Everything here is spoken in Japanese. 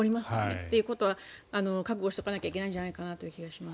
ということは覚悟しておかないといけないんじゃないかと思います。